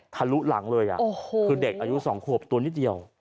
ทะลุหลังเลยคือเด็กอายุ๒ขวบตัวนิดเดียว